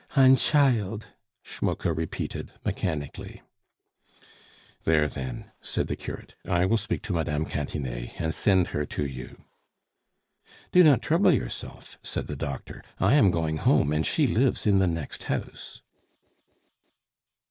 "Ein child," Schmucke repeated mechanically. "There, then," said the curate; "I will speak to Mme. Cantinet, and send her to you." "Do not trouble yourself," said the doctor; "I am going home, and she lives in the next house."